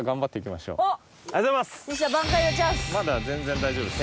まだ全然大丈夫ですよ。